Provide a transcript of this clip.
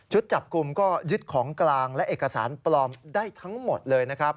จับกลุ่มก็ยึดของกลางและเอกสารปลอมได้ทั้งหมดเลยนะครับ